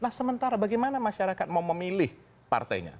nah sementara bagaimana masyarakat mau memilih partainya